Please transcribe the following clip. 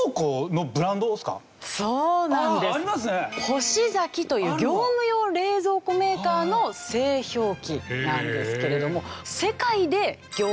ホシザキという業務用冷蔵庫メーカーの製氷機なんですけれども。